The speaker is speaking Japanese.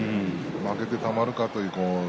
負けてたまるかという。